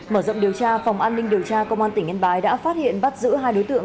mở rộng điều tra phòng an ninh điều tra công an tỉnh yên bái đã phát hiện bắt giữ hai đối tượng